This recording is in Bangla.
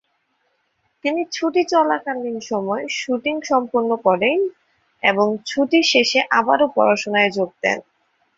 তিনি ছুটি চলাকালীন সময়ে শুটিং সম্পন্ন করেন এবং ছুটি শেষে আবারো পড়াশোনায় যোগ দেন।